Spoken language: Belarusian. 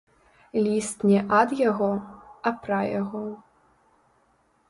Ліст не ад яго, а пра яго.